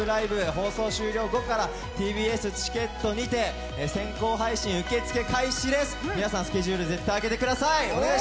放送終了後からＴＢＳチケットにて先行配信、受け付け開始です、皆さん、スケジュール絶対あけてください！